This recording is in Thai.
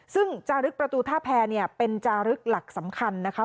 ซึ่งจารึกประตูท่าแพรเป็นจารึกหลักสำคัญนะคะ